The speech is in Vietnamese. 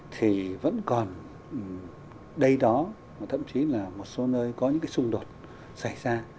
thì vẫn còn đây đó thậm chí là một số nơi có những cái xung đột xảy ra